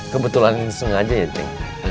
kebetulan sengaja ya ceng